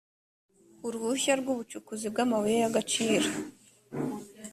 uruhushya rw’ubucukuzi bw’amabuye y’agaciro